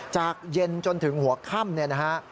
จากเย็นจนถึงหัวค่ำนะฮะ